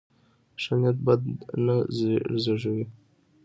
ښه نیت بد نه زېږوي.